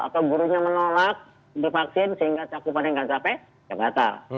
atau gurunya menolak untuk vaksin sehingga cakupannya tidak capek ya batal